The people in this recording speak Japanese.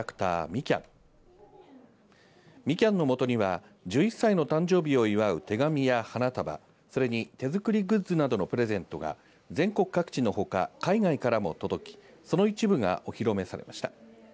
みきゃんの元には１１歳の誕生日を祝う手紙や花束それに手作りグッズなどのプレゼントが全国各地のほか海外からも届きその一部がお披露目されました。